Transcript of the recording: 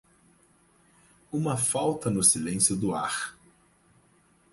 uma falta no silêncio do ar.